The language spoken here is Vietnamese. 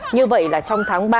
như vậy là trong tháng ba